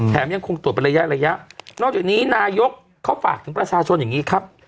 ยังคงตรวจเป็นระยะระยะนอกจากนี้นายกเขาฝากถึงประชาชนอย่างนี้ครับ